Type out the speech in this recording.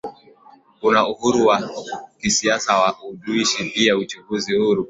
Kuna uhuru wa kisiasa na wa uandushi pia uchaguzi huru